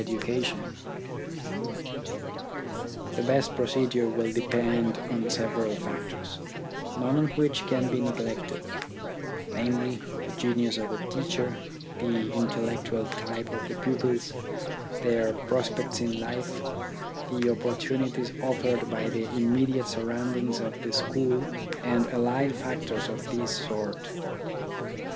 THE AIMS OF EDUCATION 11 The best procedure will depend on several factors, none of which can be neglected, namely, the genius of the teacher, the intellectual type of the pupils, their prospects in life, the oppor tunities offered by the immediate surroundings of the school, and allied factors of this sort.